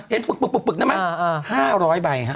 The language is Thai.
เห็นปึกปึกนะไหม๕๐๐ใบฮะ